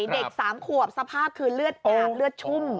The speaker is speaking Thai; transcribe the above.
เด็ก๓ขวบสภาพคือเลือดอาบเลือดชุ่ม